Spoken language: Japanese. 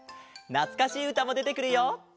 なつかしいうたもでてくるよ。